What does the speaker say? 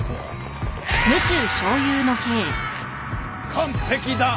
完璧だ。